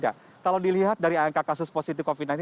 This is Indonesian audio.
kalau dilihat dari angka kasus positif covid sembilan belas